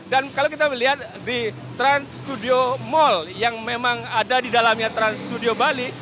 dan kalau kita lihat di trans studio mall yang memang ada di dalamnya trans studio bali